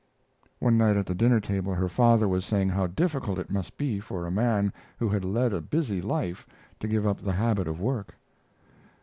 One night at the dinner table her father was saying how difficult it must be for a man who had led a busy life to give up the habit of work.